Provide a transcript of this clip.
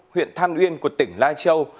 huyện than uyên của tỉnh lai châu